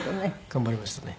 頑張りましたね。